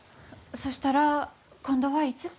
そしたら今度はいつ？